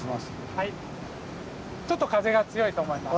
ちょっと風が強いと思います。